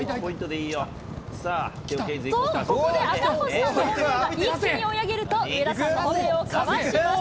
と、ここで赤星さんの本命が一気に追い上げると、上田さんの本命をかわします。